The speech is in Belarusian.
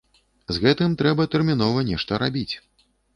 З гэтым трэба тэрмінова нешта рабіць.